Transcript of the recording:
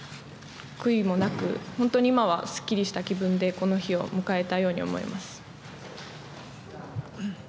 悔いもなく本当に今はすっきりした気分でこの日を迎えたように思います。